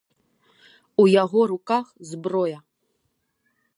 У яго руках зброя.